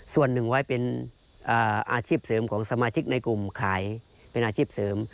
ส่วนหนึ่งไว้เป็นอาชีพเสริมของสมาชิกในกลุ่มขายเป็นอาชีพเสริม